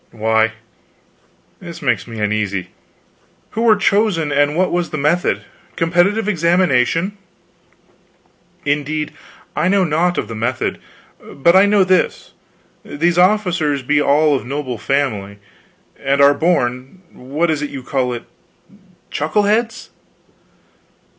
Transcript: "Why, this makes me uneasy. Who were chosen, and what was the method? Competitive examination?" "Indeed, I know naught of the method. I but know this these officers be all of noble family, and are born what is it you call it? chuckleheads."